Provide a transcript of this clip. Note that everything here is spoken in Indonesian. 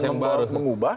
ya bukan membawa mengubah